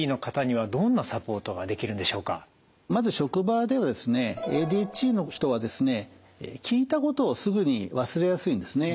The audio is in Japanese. まず職場ではですねＡＤＨＤの人はですね聞いたことをすぐに忘れやすいんですね。